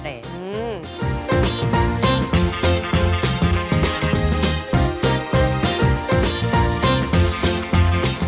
อืม